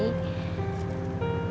gue tuh ya